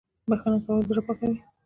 بخښنه کول زړه پاکوي